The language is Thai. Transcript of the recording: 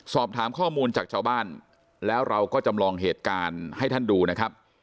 สอบถามข้อมูลจากชาวบ้านแล้วเราก็จำลองเหตุการณ์ให้ท่านดูนะครับ